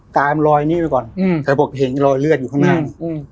รอยนี้ไปก่อนเธอบอกเห็นรอยเลือดอยู่ข้างหน้านี่